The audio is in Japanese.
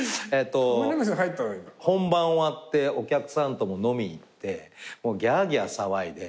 本番終わってお客さんとも飲みに行ってギャーギャー騒いで。